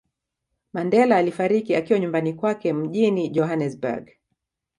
Mandela alifariki akiwa nyumbani kwake mjini Johanesburg